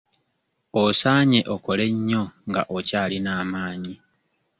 Osaanye okole nnyo nga okyalina amaanyi.